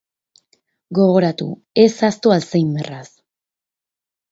Gogoratu, ez ahaztu alzheimerraz!